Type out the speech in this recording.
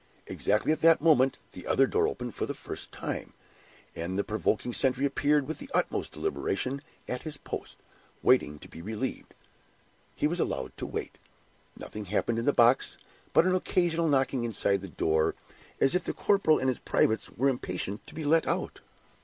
Exactly at the same moment, the other door opened for the first time, and the provoking sentry appeared with the utmost deliberation at his post, waiting to be relieved. He was allowed to wait. Nothing happened in the other box but an occasional knocking inside the door, as if the corporal and his privates were impatient to be let out.